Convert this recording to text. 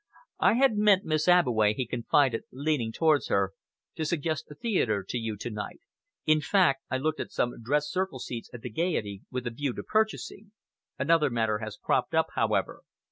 "I had meant, Miss Abbeway," he confided, leaning towards her, "to suggest a theatre to you to night in fact, I looked at some dress circle seats at the Gaiety with a view to purchasing. Another matter has cropped up, however.